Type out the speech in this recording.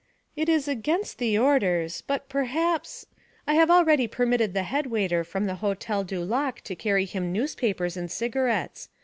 'It is against the orders, but perhaps I have already permitted the head waiter from the Hotel du Lac to carry him newspapers and cigarettes.